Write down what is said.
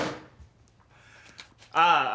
ああ。